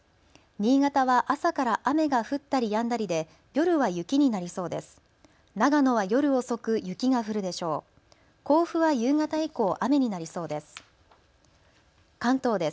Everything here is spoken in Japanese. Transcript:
新潟は朝から雨が降ったりやんだりで夜は雪になりそうです。